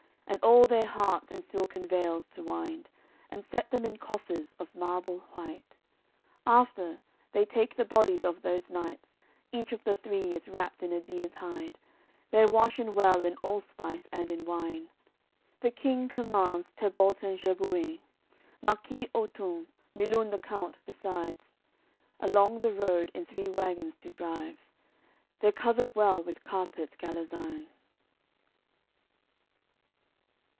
And all their hearts in silken veils to wind, And set them in coffers of marble white; After, they take the bodies of those knights, Each of the three is wrapped in a deer's hide; They're washen well in allspice and in wine. The King commands Tedbalt and Gebuin, Marquis Otun, Milun the count besides: Along the road in three wagons to drive. They're covered well with carpets Galazine. AOI.